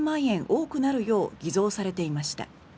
多くなるよう偽造されていました。